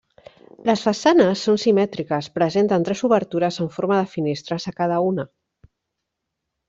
Les façanes són simètriques, presenten tres obertures en forma de finestres a cada una.